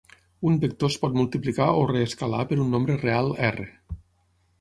Un vector es pot multiplicar o reescalar per un nombre real "r".